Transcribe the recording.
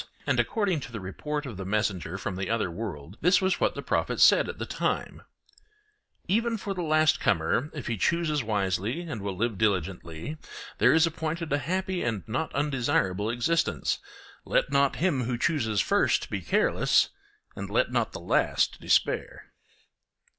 And according to the report of the messenger from the other world this was what the prophet said at the time: 'Even for the last comer, if he chooses wisely and will live diligently, there is appointed a happy and not undesirable existence. Let not him who chooses first be careless, and let not the last despair.